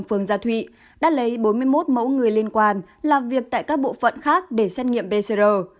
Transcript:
phường gia thụy đã lấy bốn mươi một mẫu người liên quan làm việc tại các bộ phận khác để xét nghiệm pcr